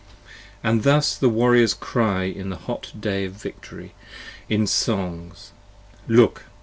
10 And thus the Warriors cry in the hot day of Victory, in Songs. Look!